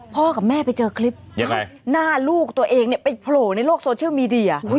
กับแม่ไปเจอคลิปหน้าลูกตัวเองเนี่ยไปโผล่ในโลกโซเชียลมีเดีย